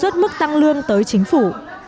quyền tự đề xuất mức tăng lương tới chính phủ